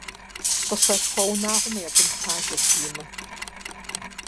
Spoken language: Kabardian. Къыщалъхуа унагъуэм я бын пажэт Риммэ.